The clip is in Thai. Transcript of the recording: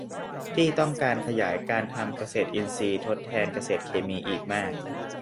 ที่ต้องการขยายการทำเกษตรอินทรีย์ทดแทนเกษตรเคมีอีกมาก